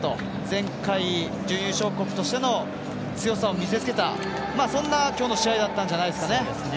前回、準優勝国としての強さを見せつけたそんな今日の試合だったんじゃないでしょうかね。